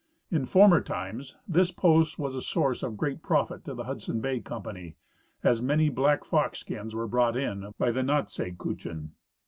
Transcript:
In former times this post was a source of great profit to the Hudson Bay company, as many black fox skins were brought in by the Natsei Kutchin.